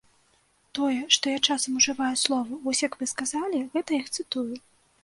Тое, што я часам ужываю словы, вось як вы сказалі, гэта я іх цытую.